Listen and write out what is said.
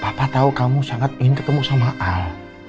nah papa tahu kamu sangat ingin ketemu sama al